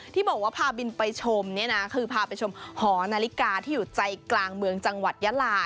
ที่บอกว่าพาบินไปชมเนี่ยนะคือพาไปชมหอนาฬิกาที่อยู่ใจกลางเมืองจังหวัดยาลา